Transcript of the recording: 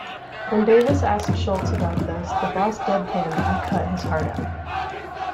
When Davis asked Schultz about this, the boss dead-panned, I cut his heart out.